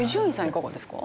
いかがですか？